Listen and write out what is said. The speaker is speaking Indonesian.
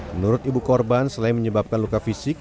menurut ibu korban selain menyebabkan luka fisik